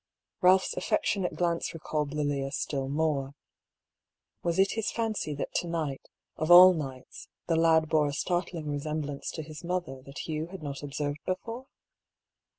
Ralph's affectionate glance recalled Lilia still more. Was it his fancy that to night, of all nights, the lad bore a startling resemblance to his mother that Hugh had not observed before?